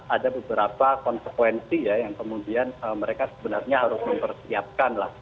ada beberapa konsekuensi yang kemudian mereka sebenarnya harus mempersiapkan